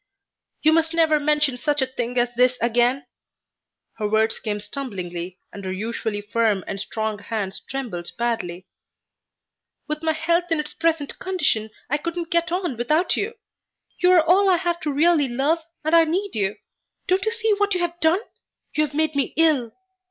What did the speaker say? "You must never mention such a thing as this again." Her words came stumblingly and her usually firm and strong hands trembled badly. "With my health in its present condition I couldn't get on without you. You are all I have to really love, and I need you. Don't you see what you have done? You have made me ill.